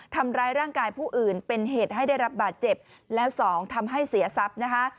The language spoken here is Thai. ทำร้ายร่างกายผู้อื่นเป็นเหตุให้ได้รับบาดเจ็บแล้วสองทำให้เสียทรัพย์นะคะ